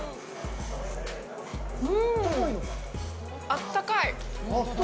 あったかい。